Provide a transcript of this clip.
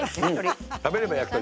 「食べれば焼き鳥」